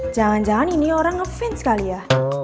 jangan jangan ini orang nge fins kali ya